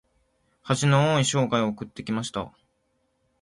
恥の多い生涯を送ってきました。